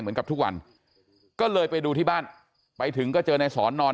เหมือนกับทุกวันก็เลยไปดูที่บ้านไปถึงก็เจอนายสอนนอน